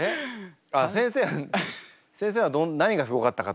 あっ先生先生は何がすごかったかと？